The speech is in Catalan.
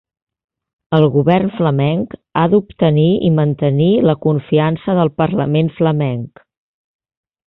El govern flamenc ha d'obtenir i mantenir la confiança del parlament flamenc.